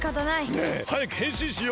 ねえはやくへんしんしようよ。